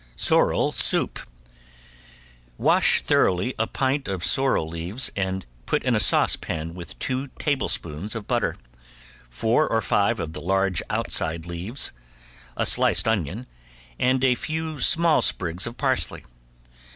~SORREL SOUP~ Wash thoroughly a pint of sorrel leaves and put in a saucepan with two tablespoonfuls of butter, four or five of the large outside leaves, a sliced onion, and a few small sprigs of parsley.